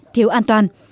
thiếu an toàn